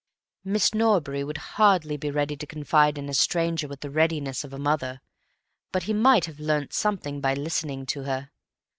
Miss Norbury would hardly be ready to confide in a stranger with the readiness of a mother, but he might have learnt something by listening to her.